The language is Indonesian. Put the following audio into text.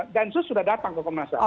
densus sudah datang ke komnas ham